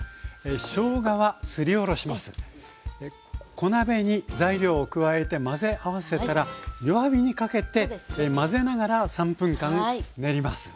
小鍋に材料を加えて混ぜ合わせたら弱火にかけて混ぜながら３分間練ります。